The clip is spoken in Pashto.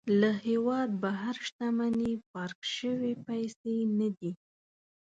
له هېواده بهر شتمني پارک شوې پيسې نه دي.